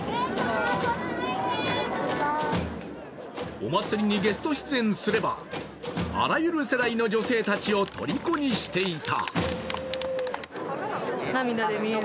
お祭にゲスト出演すればあらゆる世代の女性たちをとりこにしていた。